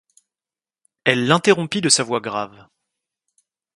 Elle l'interrompit de sa voix grave.